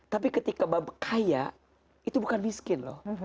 tapi ketika kaya itu bukan miskin loh